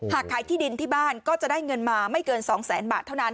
ขายที่ดินที่บ้านก็จะได้เงินมาไม่เกิน๒แสนบาทเท่านั้น